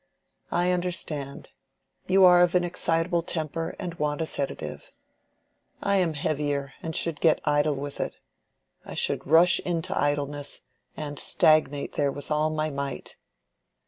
"I understand. You are of an excitable temper and want a sedative. I am heavier, and should get idle with it. I should rush into idleness, and stagnate there with all my might."